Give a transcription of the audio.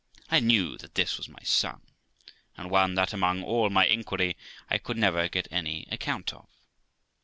I knew that this was my son, and one that, among all my inquiry, I could never get any account of.